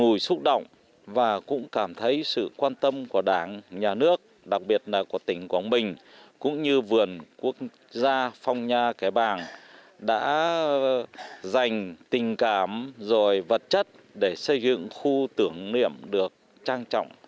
vui xúc động và cũng cảm thấy sự quan tâm của đảng nhà nước đặc biệt là của tỉnh quảng bình cũng như vườn quốc gia phong nha kẻ bàng đã dành tình cảm rồi vật chất để xây dựng khu tưởng niệm được trang trọng